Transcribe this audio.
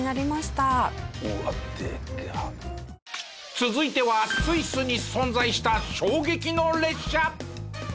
続いてはスイスに存在した衝撃の列車！